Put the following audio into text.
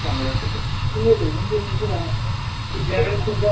A two I প্রোগ্রামের মাধ্যমে সরকারের সঙ্গে সরাসরি কাজ করার সুযোগ পেয়েছে চালডাল।